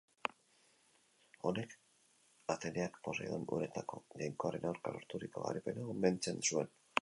Honek, Ateneak Poseidon uretako jainkoaren aurka lorturiko garaipena omentzen zuen.